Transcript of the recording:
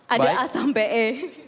ada a sampai e